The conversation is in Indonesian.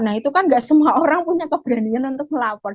nah itu kan gak semua orang punya keberanian untuk melapor